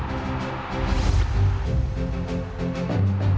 แล้วก็กำหนดทิศทางของวงการฟุตบอลในอนาคต